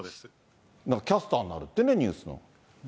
キャスターになるって、ニュースの。